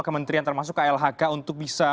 kementerian termasuk klhk untuk bisa